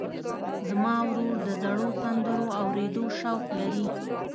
زما ورور د زړو سندرو اورېدو شوق لري.